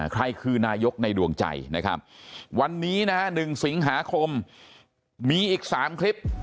ใครคือนายกในดวงใจนะครับวันนี้นะฮะ๑สิงหาคมมีอีก๓คลิป